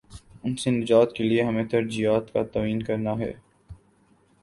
ان سے نجات کے لیے ہمیں ترجیحات کا تعین کرنا ہے۔